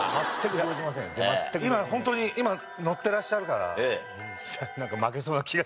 今ホントに今ノッてらっしゃるから。